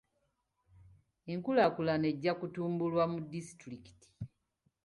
Enkulaakulana ejja kutumbulwa mu disitulikiti.